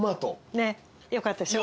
ねよかったでしょ。